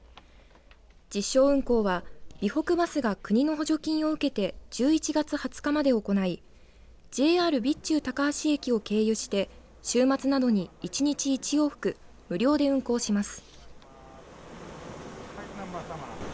実証運行は備北バスが国の補助金を受けて１１月２０日まで行いＪＲ備中高梁駅を経由して週末などに１日１往復無料で運行します。